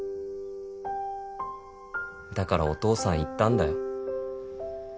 「だからお父さん言ったんだよ」